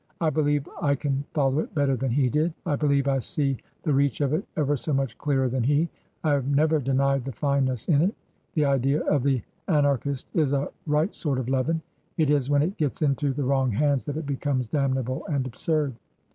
I believe I can follow it better than he did. I believe I see the reach of it ever so much clearer than he. I have never dfenied the fineness in it :— the idea of the Anar chist IS a right sort of leaven ; it is when it gets into the wrong hands that it becomes damnable and absurd.